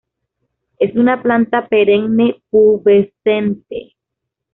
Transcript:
Es una planta perenne pubescente.